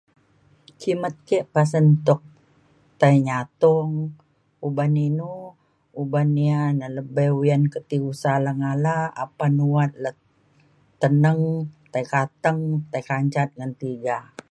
kimet ke pasen tuk tai nyatong uban inu uban ia’ na lebih uyan ke ti usa le ngala apan wat lek teneng tai kateng tai kanjat ngan tiga